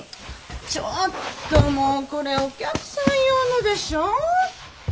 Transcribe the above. ちょっともうこれお客さん用のでしょ！